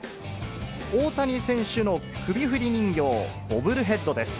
大谷選手の首振り人形、ボブルヘッドです。